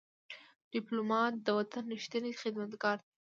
ډيپلومات د وطن ریښتینی خدمتګار دی.